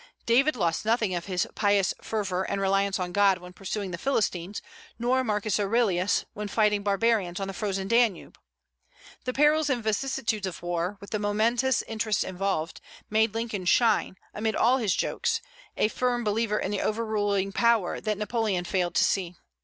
David lost nothing of his pious fervor and reliance on God when pursuing the Philistines, nor Marcus Aurelius when fighting barbarians on the frozen Danube. The perils and vicissitudes of war, with the momentous interests involved, made Lincoln shine, amid all his jokes, a firm believer in the overruling power that Napoleon failed to see.